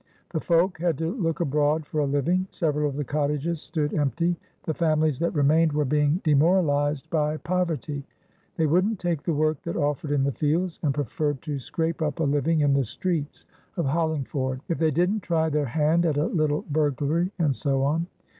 The folk had to look abroad for a living; several of the cottages stood empty; the families that remained were being demoralised by poverty; they wouldn't take the work that offered in the fields, and preferred to scrape up a living in the streets of Hollingford, if they didn't try their hand at a little burglary and so on.